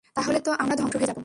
তাহলে তো আমরা ধ্বংস হয়ে যাব।